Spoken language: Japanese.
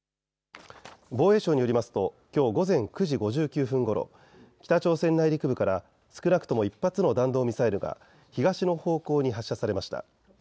防衛省によりますときょう午前９時５９分ごろ北朝鮮内陸部から少なくとも１発の弾道ミサイルが東の方向に発射されました。